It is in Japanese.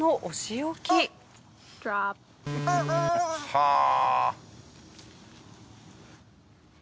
はあ！